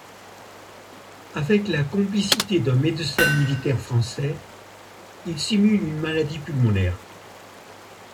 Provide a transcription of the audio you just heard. Avec la complicité d'un médecin militaire français, il simule une maladie pulmonaire.